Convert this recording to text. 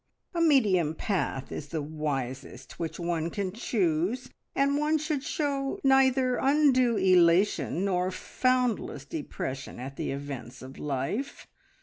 A medium path is the wisest which one can choose, and one should show neither undue elation nor foundless depression at the events of life.